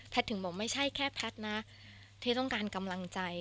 ถึงบอกไม่ใช่แค่แพทย์นะที่ต้องการกำลังใจ